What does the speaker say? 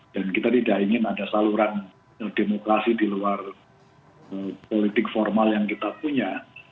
dan kita tidak ingin ada saluran demokrasi di luar politik formal yang kita punya